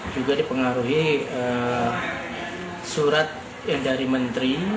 juga dipengaruhi surat dari menteri